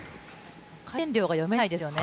回転量が読めないですよね。